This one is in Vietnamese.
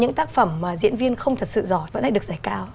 những tác phẩm mà diễn viên không thật sự giỏi vẫn lại được giải cao